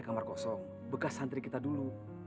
kamar kosong bekas santri kita dulu